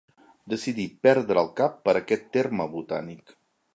Decidí perdre el cap per aquest terme botànic.